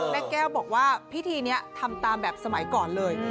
แม่แก้วบอกว่าพิธีนี้ทำตามแบบสมัยก่อนเลย